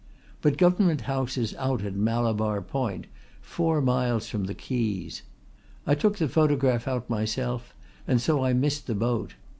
But Government House is out at Malabar Point, four miles from the quays. I took the photograph out myself and so I missed the boat.